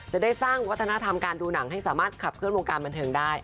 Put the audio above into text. จะได้สร้างวัฒนธรรมการดูหนังให้สามารถขับเคลื่อวงการบันเทิงได้